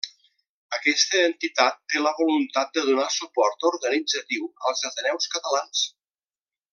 Aquesta entitat té la voluntat de donar suport organitzatiu als ateneus catalans.